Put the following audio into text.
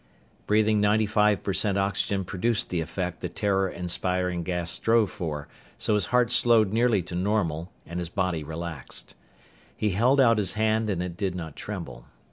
Breathing ninety five percent oxygen produced the effect the terror inspiring gas strove for, so his heart slowed nearly to normal and his body relaxed. He held out his hand and it did not tremble.